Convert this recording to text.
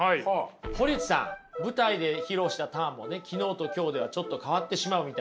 堀内さん舞台で披露したターンもね昨日と今日ではちょっと変わってしまうみたいなことがあると。